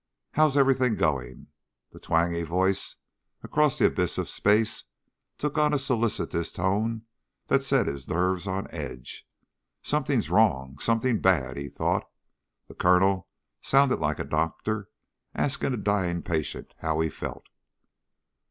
How's everything going?" The twangy voice across the abyss of space took on a solicitous tone that set his nerves on edge. Something's wrong something bad, he thought. The Colonel sounded like a doctor asking a dying patient how he felt.